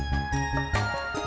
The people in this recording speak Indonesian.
si diego udah mandi